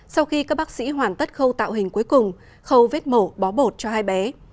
sau khi các bác sĩ hoàn tất khâu tạo hình cuối cùng khâu vết mổ bó bột cho hai bé